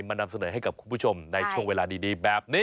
ตัวสินแดนไทยมานำเสนอให้กับคุณผู้ชมในช่วงเวลาดีแบบนี้